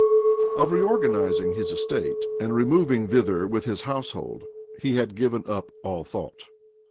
Of reorganizing his estate, and removing thither with his household, he had given up all thought.